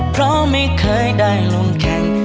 เพราะไม่เคยได้ลงแข่ง